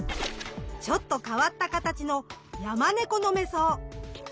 ちょっと変わった形のヤマネコノメソウ。